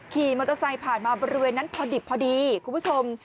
ขี่มอเตอร์ไซค์ผ่านมาบริเวณนั้นพอดิบพอดีคุณผู้ชม